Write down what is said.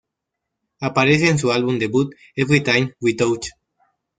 Aparece en su álbum debut, "Everytime We Touch".